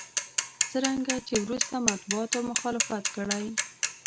څرنګه چې وروسته مطبوعاتو مخالفت کړی.